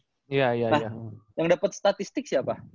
nah yang dapat statistik siapa